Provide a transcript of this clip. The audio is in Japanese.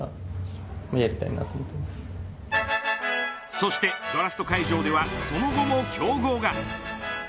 そしてドラフト会場ではその後も競合が。